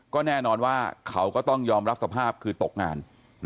ก็แน่นอนว่าเขาก็ต้องยอมรับสภาพคือตกงาน